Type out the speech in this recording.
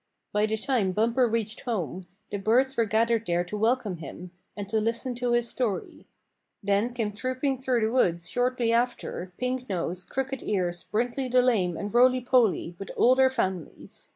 By the time Bumper reached home, the birds were gathered there to welcome him, and to listen to his story. Then came trooping through the woods shortly after Pink Nose, Crooked Ears, Brindley the Lame and Rolly Polly, with all their families.